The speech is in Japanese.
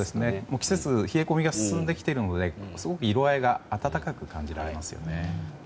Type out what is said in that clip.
季節の冷え込みが進んできているのですごく色合いが温かく感じられますよね。